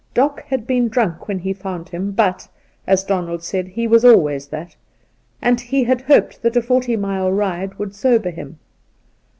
Doc had been drunk when he found him, but (as Donald said) he was always that, and he had hoped that a forty mile ride would sober him.